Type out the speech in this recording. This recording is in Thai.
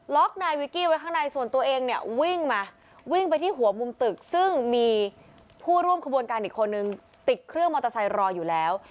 นายวิกกี้ไว้ข้างในส่วนตัวเองเนี่ยวิ่งมาวิ่งไปที่หัวมุมตึกซึ่งมีผู้ร่วมขบวนการอีกคนนึงติดเครื่องมอเตอร์ไซค์รออยู่แล้ว